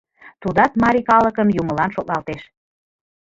Тудат марий калыкын Юмылан шотлалтеш.